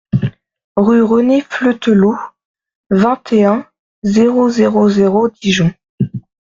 Rue René Fleutelot, vingt et un, zéro zéro zéro Dijon